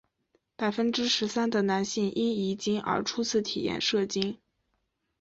百分之十三的男性因遗精而初次体验射精。